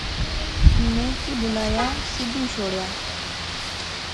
میں کی بولایا، سدی شوڑیا